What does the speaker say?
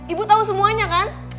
ibu tau semuanya kan